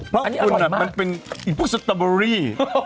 เพราะอันนี้อร่อยมากมันเป็นอีกพวกสตาเบอร์รี่